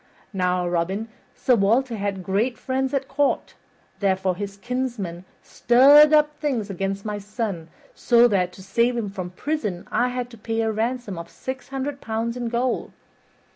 Now, Robin, Sir Walter had great friends at court, therefore his kinsmen stirred up things against my son so that, to save him from prison, I had to pay a ransom of six hundred pounds in gold.